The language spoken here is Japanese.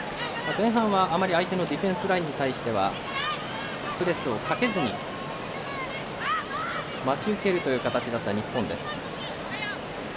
前半は、あまり相手のディフェンスラインに対してはプレスをかけずに待ち受けるという形だった日本。